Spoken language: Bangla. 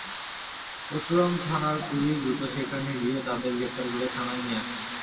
পরশুরাম থানার পুলিশ দ্রুত সেখানে গিয়ে তাঁদের গ্রেপ্তার করে থানায় নিয়ে আসে।